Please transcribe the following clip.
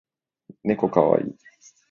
ねこかわいい